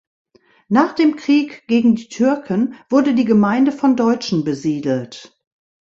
Nach dem Krieg gegen die Türken wurde die Gemeinde von Deutschen besiedelt.